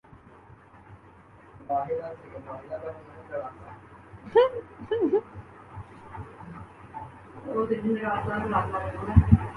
تو ان پہ اب ڈٹے رہنے کی ضرورت ہے۔